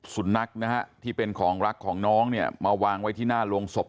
สุดนักนะฮะที่เป็นของรักของน้องมาวางไว้ที่หน้าลวงศพของน้อง